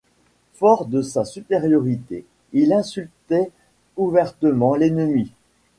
Fort de sa supériorité, il insultait ouvertement l’ennemi.